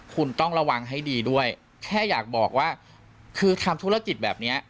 คุณต้องระวังให้ดีด้วยแค่อยากบอกว่าคือทำธุรกิจแบบนี้